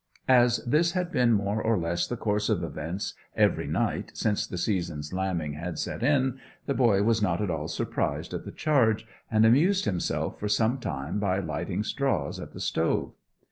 As this had been more or less the course of events every night since the season's lambing had set in, the boy was not at all surprised at the charge, and amused himself for some time by lighting straws at the stove.